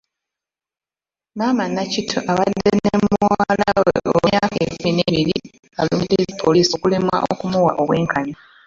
Maama Nakitto abadde ne muwala we ow'emyaka ekkumi n'ebiri alumiriza poliisi okulemwa okumuwa obwenkanya.